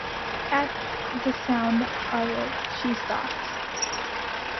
At the sound of it she stopped.